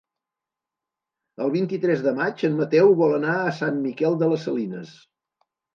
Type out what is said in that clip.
El vint-i-tres de maig en Mateu vol anar a Sant Miquel de les Salines.